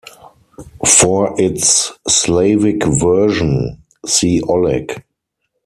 For its Slavic version, see Oleg.